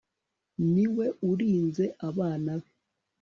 ni we urinze abana be